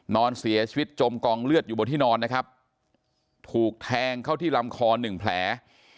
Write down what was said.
นอนเสียชีวิตจมกองเลือดอยู่บนที่นอนนะครับถูกแทงเข้าที่ลำคอหนึ่งแผล